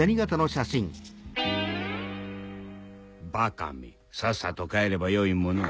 バカめさっさと帰ればよいものを。